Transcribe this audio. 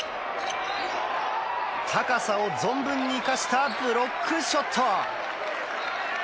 高さを存分に生かしたブロックショット！